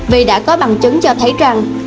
vì đã có bằng chứng cho thấy rằng